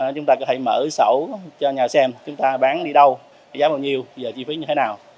chúng ta có thể mở sổ cho nhà xem chúng ta bán đi đâu giá bao nhiêu và chi phí như thế nào